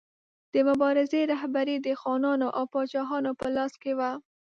د مبارزې رهبري د خانانو او پاچاهانو په لاس کې وه.